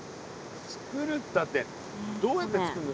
つくるったってどうやってつくんの？